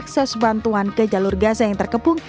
akses bantuan ke jalur gaza yang terkepung